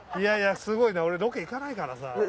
やいやすごいな俺ロケ行かないからさ。